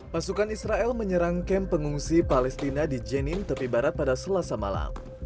pasukan israel menyerang kamp pengungsi palestina di jenin tepi barat pada selasa malam